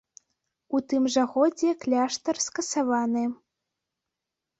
У тым жа годзе кляштар скасаваны.